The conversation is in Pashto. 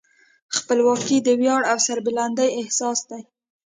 خپلواکي د ویاړ او سربلندۍ اساس دی.